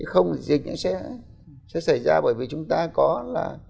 không thì dịch sẽ xảy ra bởi vì chúng ta có là